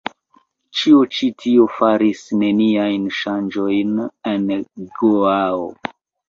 Ĉio ĉi tio faris neniajn ŝanĝojn en Goao.